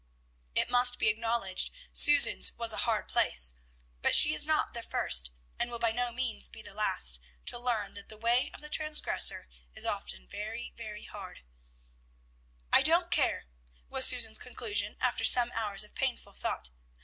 It must be acknowledged, Susan's was a hard place; but she is not the first, and will by no means be the last, to learn that the way of the transgressor is often very, very hard. "I don't care," was Susan's conclusion, after some hours of painful thought.